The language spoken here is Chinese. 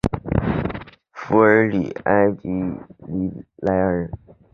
弗尔里埃圣伊莱尔。